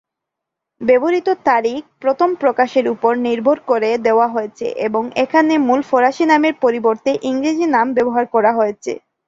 ব্যবহৃত তারিখ প্রথম প্রকাশের উপর নির্ভর করে দেয়া হয়েছে এবং এখানে মূল ফরাসী নামের পরিবর্তে ইংরেজি নাম ব্যবহার করা হয়েছে।